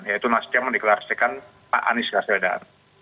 yaitu nasibnya mendeklarasikan pak anies kaseledaan